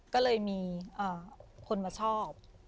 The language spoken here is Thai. ก็เลยมีคนมาชอบ